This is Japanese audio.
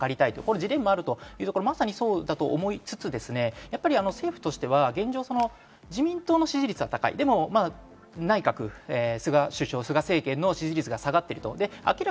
ジレンマがあると、まさにそうだと思いつつ、政府としては現状、自民党の支持率は高いが、内閣菅首相、政権の支持率が下がっている。